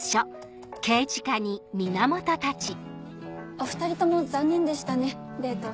お２人とも残念でしたねデート。